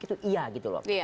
itu iya gitu loh